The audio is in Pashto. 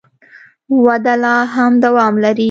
وده لا هم دوام لري.